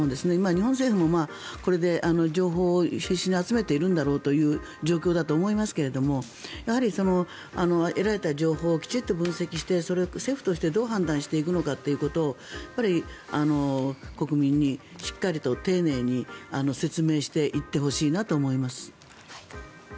日本政府もこれで情報を必死に集めているんだろうという状況だと思いますけど得られた情報をきちんと分析してそれを政府としてどう判断していくのかを国民にしっかりと丁寧に説明していってほしいなと思います。